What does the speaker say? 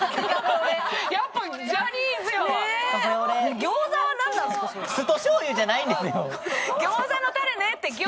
餃子はなんなんですか？